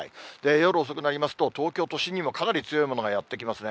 夜遅くなりますと、東京都心にもかなり強いものがやって来ますね。